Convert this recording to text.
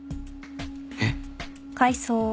えっ？